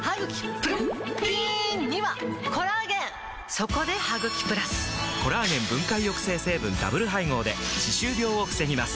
そこで「ハグキプラス」！コラーゲン分解抑制成分ダブル配合で歯周病を防ぎます